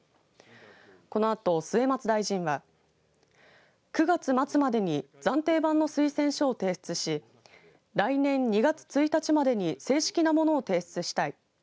このあと末松大臣は９月末までに暫定版の推薦書を提出し来年２月１日までに正式なものを提出したい。